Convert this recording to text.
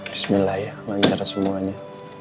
bismillah ya lancar semuanya